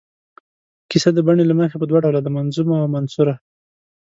کیسه د بڼې له مخې په دوه ډوله ده، منظومه او منثوره.